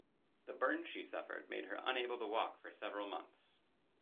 The burns she suffered made her unable to walk for several months.